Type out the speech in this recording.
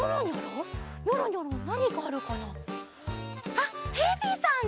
あっヘビさんね！